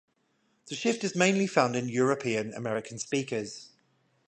The shift is mainly found in European American speakers.